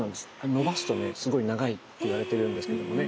伸ばすとねすごい長いといわれているんですけどもね。